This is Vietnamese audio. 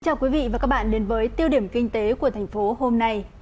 chào quý vị và các bạn đến với tiêu điểm kinh tế của thành phố hôm nay